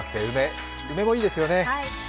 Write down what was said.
梅もいいですよね。